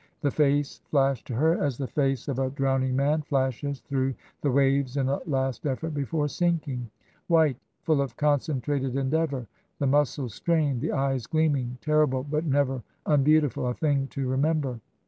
The face flashed to her as the face of a drowning man flashes through the waves in a last effort before sinking — white, full of con centrated endeavour, the muscles strained, the eyes gleaming, terrible but never unbeautiful — a thing to remember.